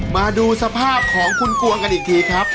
มาดูสภาพของคุณกวงกันอีกทีครับ